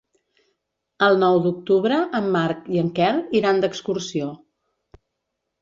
El nou d'octubre en Marc i en Quel iran d'excursió.